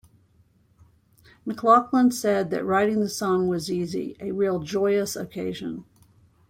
McLachlan said that writing the song was easy, a real joyous occasion.